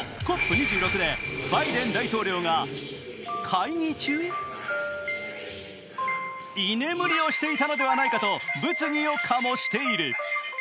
２６でバイデン大統領が会議中、居眠りをしていたのではないかと物議を醸している。